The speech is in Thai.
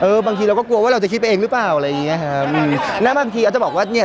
บางทีเราก็กลัวว่าเราจะคิดไปเองหรือเปล่าอะไรอย่างเงี้ยครับอืมณบางทีอาจจะบอกว่าเนี้ย